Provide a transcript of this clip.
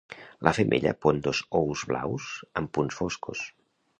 La femella pon dos ous blaus amb punts foscos.